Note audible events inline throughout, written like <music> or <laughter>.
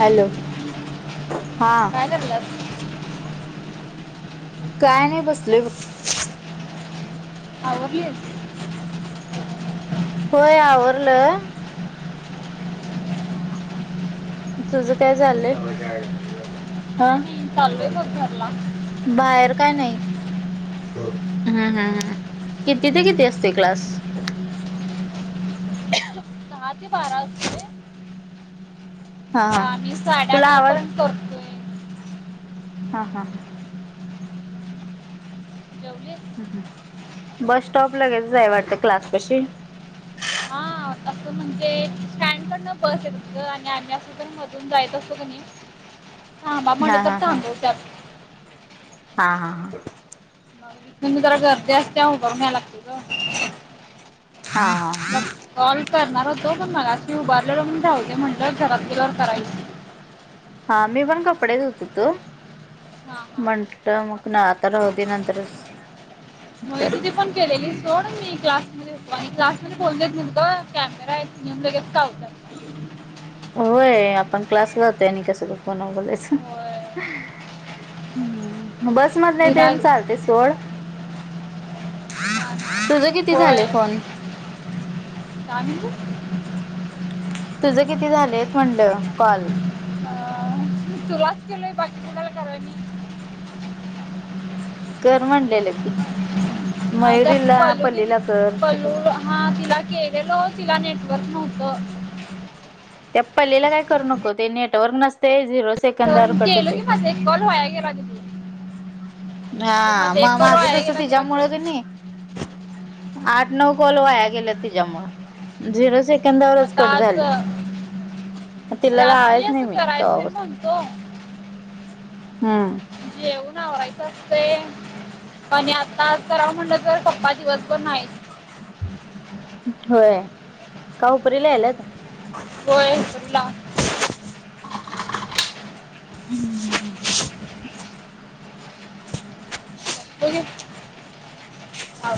Hello हा चालेल मग. काय नाही बसले बघ. आवरलं. होय आवरलं. तुझं काय चाललंय हा. काय नाही चाललोय बघ घरला बाहेर काय नाही. हम् हम ह किती ते किती असते क्लास. दहा ते बारा असतोय. हा मग हा आम्ही साडे तुला अकरा आवाज पर्यंत करतो. हा हा हा जेवलीस बस स्टॉप लगेच जाय वाटतं क्लास पाशी हा असं म्हणजे स्टँड कडन बस येत तुं आणि आम्ही असं पण मधून जायच असतो कणी थांबा म्हटले हा तर हा हा थांबवता. हा हा हा. इथूनी जरा गर्दी असते उभं राहून यायला लागते ग. हा हा. कॉल करणार होतो पण मगशी उभारलेलो म्हणून जाऊ दे म्हटलं घरात गेल्यावर करायच. हा मी पण कपडे धुवत होतो. हा हा म्हंटल मग आता राहू दे नंतर च. ण केलेली. सोड मी क्लासमध्ये होेतो आणि क्लासमध्ये बोलू देत नाही ग कॅमेरा आहेत <unintelligible> कावतात. होय आपण क्लास ळा जातोय आणि कसं फोन वर बोलायचं. होय हम्म बस मधले तेन विराज चालते सोड तुझं किती हा झाले फोन हा होय. तुझं किती झाले म्हटलं कॉल. अं, तुलाच केलोय बाकी कणाला करायच. कर म्हणलेलं की अं, त्या मयुरीला, पल्लू दिदी पलीला कर, छक पल्लू हा तिला केलेलो तिला नेटवर्क नव्हतं. त्या पल्लीला काय करू नको ते नेटवर्क नसते झिरो सेकंदावर कट होते फोन बोलवा गेलाय तिकडे. हा म माझ कस तिला तिच्यामुळे तर करून नाही. आठ नऊ कॉल वाया गेल्या तिच्यामुळे झिरो एंदावरच आता कट आज झाली अं, तिला लावायचा नाही मी तेव्हा पासून होय. हम्म. जेऊन आवरायचं असत. आणि आता तर म्हणलं तर पप्पा दिवस भर नाही. होय का उपरीला आलात. होय उपरीला. <unintelligible>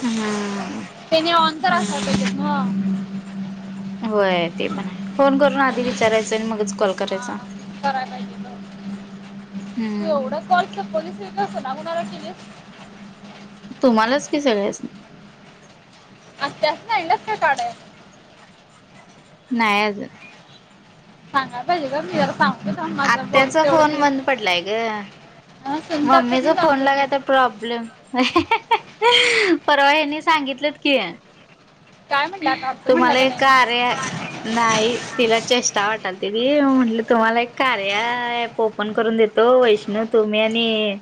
हम्म नी अंतर <unintelligible> पाहिजे हम्म ना. होय ते पण आहे. फोन करून आधी आणि विचारायचं आणि मगच कॉल हा करायचा कराय पाहिजे बर. हम्म. एवढं कॉल कुणा कुणाल केली. तुम्हालाच की सगळ्यासनी? असत अस इंडस <unintelligible> नाही काढायचा. नाय अजून. सांगा पाहिजे का मी जरा सांग आत्याचा फोन बंद पडलाय ग हा सुनतात तर मम्मीचा मी फोन सांगतो की लागाय तर प्रॉब्लेम परवा हनी सांगितलंत की. काय म्हणलं काळतो म्हणला तुम्हाला का एक नाही कार्या म? नाही तिला चेष्टा वाटल तिरी म्हंटले तुम्हाला एक कार्या ॲप ओपन करून देतो वैष्णव तुम्ही आणि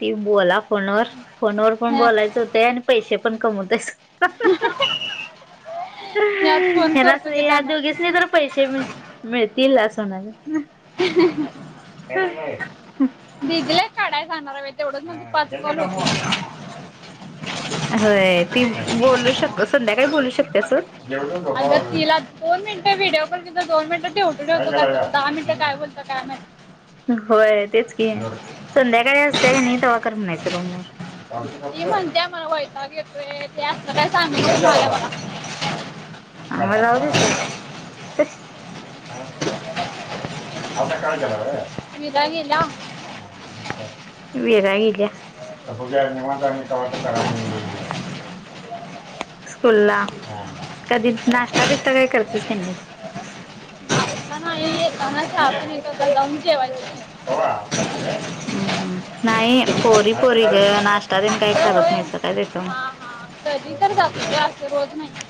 ती बोला फोनवर, फोनवर पण हा, बोलायच होते आणि पैसे पण कमवतेस. <unintelligible> <inaudible> मी आज तर फोन करतो की ह्या ह त्यांना दोघेच नाही तर पैसे मिळतील असं नाही <unintelligible> <inaudible> ह.. बिगले काढाय जाणार आहे तेवढंच मग पाच कॉल होतील. होय ती बोलू शक संध्याकाळी बोलू शकते अस? अग तिला दोन मिनट व्हिडीओ बघीतले कि दोनमिनट ठेवतो, ठेवतो कारतो ती दहा मिनटं काय बोलत काय माहीती. होय तेच की संध्याकाळी असते की नाही तेव्हा करून न्यायचं रुम वर. ती म्हणते मला वैताग येतोय ते असल काय सांगु नको <unintelligible> मला. आणि मला राहुदे स. आसा काळजला हे. विरा गेला. विरा येईला. निवांत कवाच कराय मी... स्कूलला कधी नाष्टा, बिष्टा काही करतेस की नाही? ह ग आप क <unintelligible> कवा आता शिकाय? हम्म, हम्म नाही पोरी, पोरी नाष्टा देन काही करत नाहीस काय तेथून. तरी पण जाते. रोज नाही.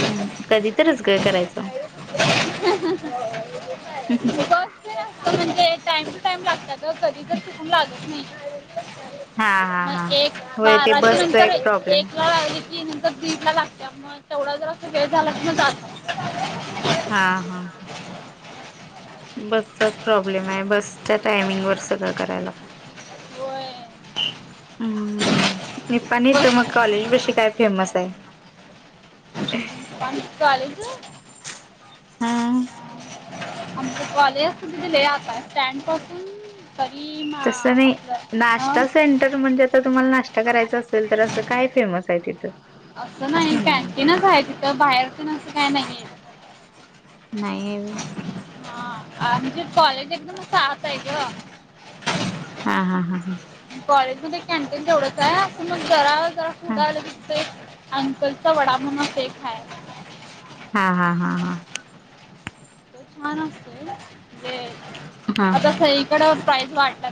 हम्म कधी तरिच ग करायचंय. बस म्हणजे टाईम टू टाईम लागतात ना. तर कधी तर चुकून लागत नाही. हा हा हा. मग एक, होय ते बाराच्या बसचा नंतर प्रॉब्लेम एक वेळा आली कि दिपला लागत मग तेवढा जर अस वेळ झाला की जाता. हा हा. बसचाच प्रॉब्लेम आहे बसच्या टायमिंगवर सगळं करायला लागते. होय हम्म. निफानी तुम कॉलेज बशी काय फेमस आहे? प कॉलेजला. हा आमच कॉलेज तिथे आता स्टँड पासून तरी.. मा तस नाही. आपलं हं? नाष्टा सेंटर म्हणजे आता तुम्हाला नाष्टा करायचा असेल तर असं काय फेमस आहे तिथं. असं नाही कॅन्टीन खाय तर बाहेर तुन असं काय नाहीय. नाही हाय गि. हा म्हणजे कॉलेज एकदम सात आहे ग. हा हा हा हा! कॉलेज मध्ये कॅनटीन जवढंच आहे, जरा, जरा फुड हा आलं ति अंकलचा वडा, म्हणून फेकहाये. हा हा हा हा! छान असतय, हा आता सईकड प्राईज वाटतात.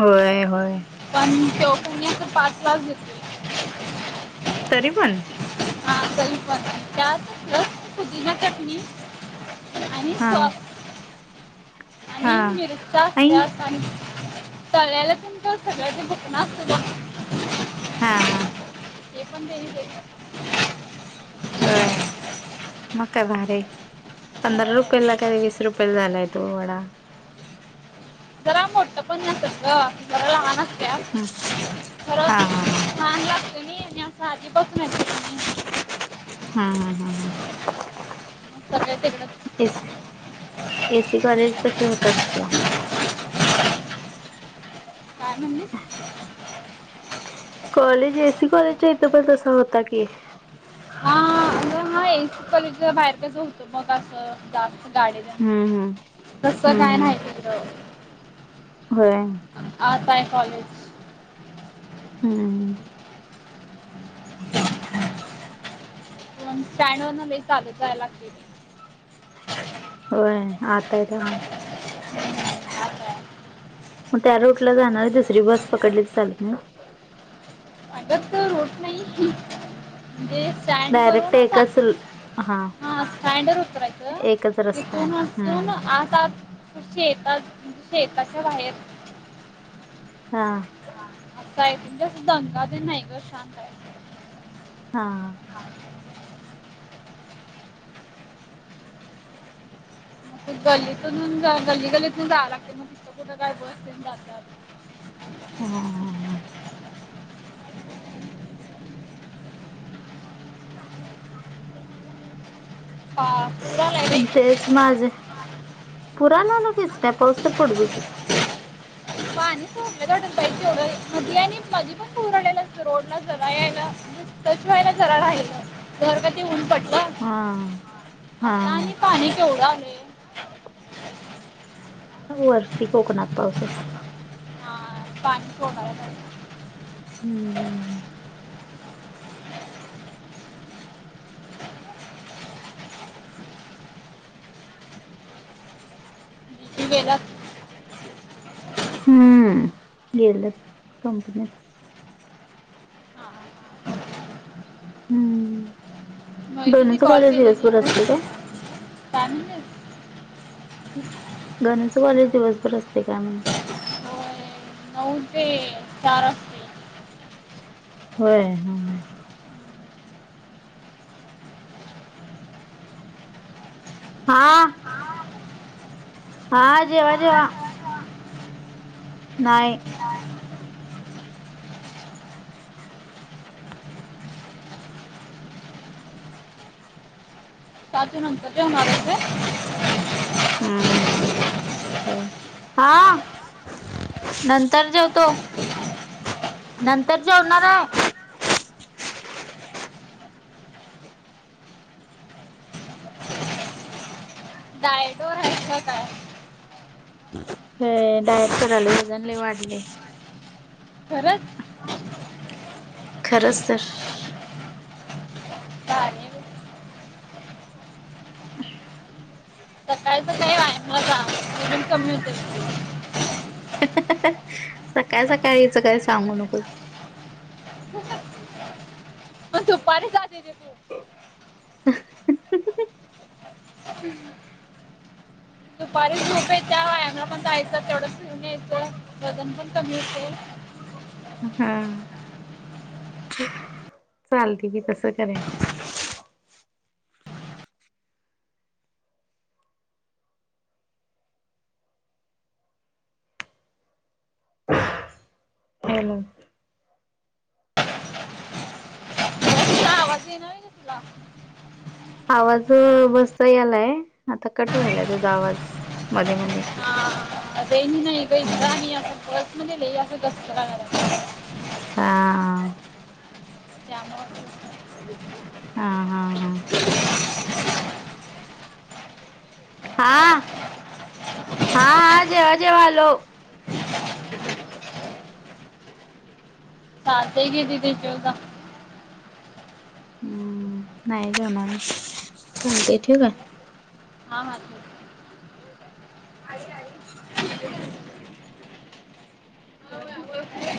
होय, होय! पण तोकण्याच पाच तास घेतले <unintelligible> तरी पण. हा तरीपन त्यातचं रस, पुदिना चटणी? आणि हा सॉस हा आणि मिरच्या आई असत्यात. आणि तळलेलं तुमच्या सगळ भुकना असतो. हा हा! हे पण तेनी का <unintelligible> होय मग काय भारी, पंधरा होय. रुपयला काये वीस रुपयाला झालायेत. तो वडा. जरा मोठ पण नस ग जरा लहान अस <unintelligible> हं! खरंच छान लागत ना आणिं आधी बसून येत त <unintelligible> हं हं हं हं! सगळे तिकडं. एस एसी कॉलेज पशी होता <unintelligible> ला काय म्हणे. कॉलेज, एसी कॉलेज च्या इथं पण तसा होता की. हा हा अग आहे एसी कॉलेजच्या बाहेर कसं होतं, मग असं जास्त. गाडी हम्म तस हम्म काय हम्म माहिती तर. होय! आताय कॉलेज. हूं! पण स्टॅड वरन लई चालत जायाल लागत. होय आता येत्या मं. आता म त्या रूट ला जाणारी दुसरी बस पकडलीत चालत नाही? अग तो रूट नाही म्हणजे? स्टँड वरून डायरेक्ट आता, एकच हा स्टँडवर उतरायचं एकच रस्ता आहे तीथून तिथून हम्म आता शेतात शेताच्या बाहेर हा! आता ये जस दंगा ते नाही ग शांत आहे. हा! मग गल्लीतून जा गल्ली गल्लीतून जाव लागते मग त कुठं काय बस देन जात <unintelligible> हाहाहा! ह पूरा नाहीले <unintelligible> तेच माझे पुराना लगेच काय पाऊस तर पडू दे की. पाणी सोडल, <unintelligible> हि आणि मधि पण पूर आलेलं असत रोडला जरा यायला. त्याशिवाय ना जरा राहिलेल. घर कती ऊन पडलं, हा हा आता आणि पाणी केवढं आलंय. वरती कोकनात पाऊसच. हा पाणी पोव <unintelligible> हम्म कला <unintelligible> गेलंत कंपनीत. ह <unintelligible> दोन्हीच कॉलेज दिवसभर असते काय त्यां गणचवाले दिवसभर असते काय म्हण होय नऊ तेे चार होय हा हा हा हाजेवाजेवा नाहीय साज ना सजम माेत हम्म हा नंतर जेवतो नंतर जेवणार आहे जाायडोर ह काय हे डायट कराले वजनले वाढले खरंच खरंच तर चालेल <inaudible> सकाळच नाही वाय माझा कमी होत सकाळ सकाळी याचं काय सांगू नको अ तुपपाणी काातेते प ह हम् दुपारी खूप येत्या वयांग पण जायचं तेवढं फिऊून येतं वजन पण कमी होते हम् चालते की तसं करेन हो ना पास ये ना कथुला आवाज बसता यालाय आता कटू आलाय तुझ आवाज मध्ये मध अ नाही पणी अस परसनली ल अस दणार हा जानव हा हा हा हा हा हाजयजय वालो तल ते गेेत देशो का हम्म नाही जाणार नाही कोते ठीक आहे हा हा